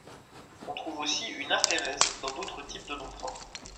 On trouve aussi une aphérèse dans d'autres types de noms propres.